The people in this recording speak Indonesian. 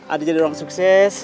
adik jadi orang sukses